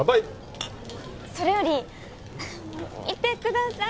それより見てください